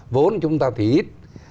vốn chúng ta thì ít